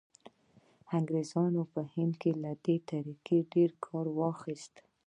انګریزانو په هند کې له دې طریقې ډېر کار واخیست.